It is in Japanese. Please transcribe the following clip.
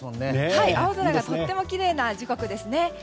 青空がとてもきれいな時刻です。